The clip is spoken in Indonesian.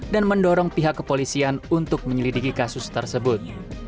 dan mendorong pihak kepolisian untuk menyelidiki kasus tersebut